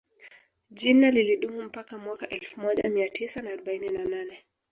Jina lilidumu mpaka mwaka elfu moja Mia Tisa na arobaini na nane